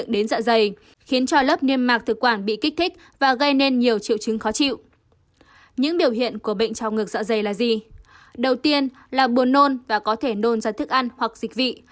đầu tiên là bồn nôn và có thể nôn ra thức ăn hoặc dịch vị